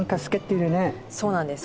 そうなんです。